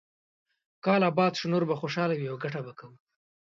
کال اباد شو، نور به خوشاله وي او ګټه به کوو.